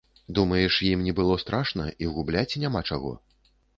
Думаеш, ім не было страшна і губляць няма чаго?